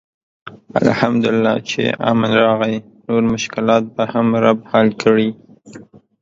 الحمدالله چې امن راغی، نور مشکلات به هم رب حل کړي.